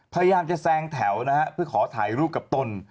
พยายามจะแซงแถวนะฮะเพื่อขอถ่ายรูปกับตน